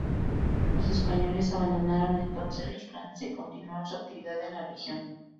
Los españoles abandonaron entonces los planes de continuar su actividad en la región.